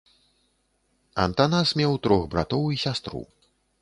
Антанас меў трох братоў і сястру.